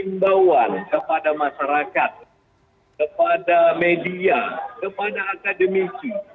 imbauan kepada masyarakat kepada media kepada akademisi